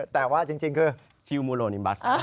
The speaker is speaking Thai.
แต่ว่าจริงคือคิวมูโลนิมบัส